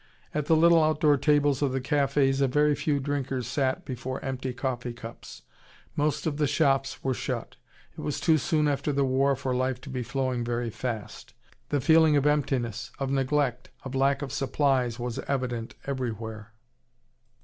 At the little outdoor tables of the cafes a very few drinkers sat before empty coffee cups. Most of the shops were shut. It was too soon after the war for life to be flowing very fast. The feeling of emptiness, of neglect, of lack of supplies was evident everywhere.